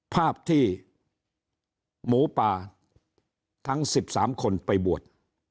ภาพที่หมูป่าทั้ง๑๓คนไปบวช